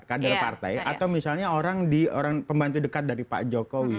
kader partai atau misalnya orang pembantu dekat dari pak jokowi